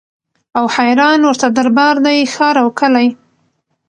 او حیران ورته دربار دی ښار او کلی